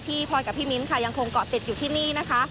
พลอยกับพี่มิ้นท์ค่ะยังคงเกาะติดอยู่ที่นี่นะคะ